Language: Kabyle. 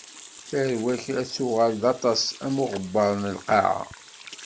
Tarwa-k ad tuɣal d aṭas, am uɣebbar n lqaɛa.